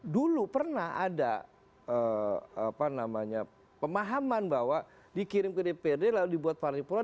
dulu pernah ada pemahaman bahwa dikirim ke dprd lalu dibuat paripurna